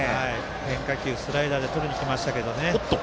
変化球、スライダーでとりにきましたけどね。